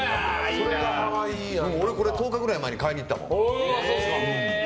これ、俺１０日ぐらい前に買いに行ったもん。